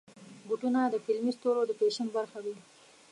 بوټونه د فلمي ستورو د فیشن برخه وي.